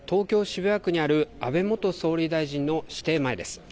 渋谷区にある安倍元総理大臣の私邸前です。